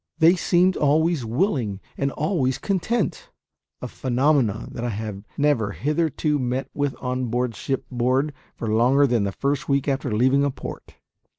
They seemed always willing, and always content a phenomenon that I had never hitherto met with on shipboard for longer than the first week after leaving a port.